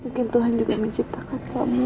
mungkin tuhan juga menciptakan suami